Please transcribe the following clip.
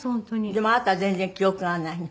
でもあなたは全然記憶がないの？